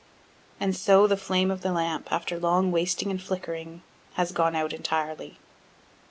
And so the flame of the lamp, after long wasting and flickering, has gone out entirely.